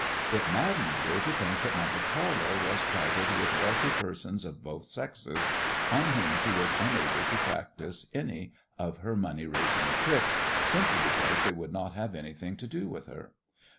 It maddened her to think that Monte Carlo was crowded with wealthy persons of both sexes on whom she was unable to practise any of her money raising tricks, simply because they would not have anything to do with her.